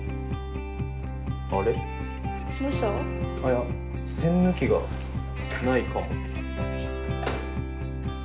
いや栓抜きがないかも。